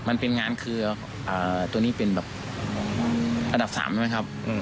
มันเป็นงานเครือตัวนี้เป็นแบบอันดับ๓ใช่ไหมครับ